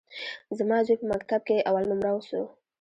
زما زوى په مکتب کښي اول نؤمره سو.